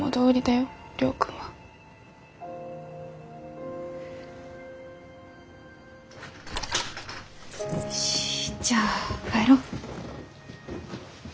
よしじゃあ帰ろ。